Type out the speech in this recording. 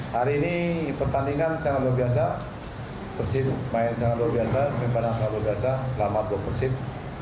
hari ini pertandingan sangat luar biasa persib main sangat luar biasa sepanjang sangat luar biasa selama dua persib